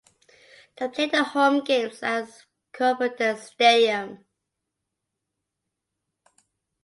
They play their home games at Culverden Stadium.